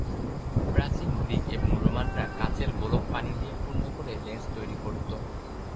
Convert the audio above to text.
প্রাচীন গ্রিক এবং রোমানরা কাচের গোলক পানি দিয়ে পূর্ণ করে লেন্স তৈরী করত।